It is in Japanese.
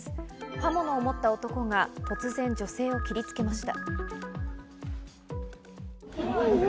刃物を持った男が突然女性を切りつけました。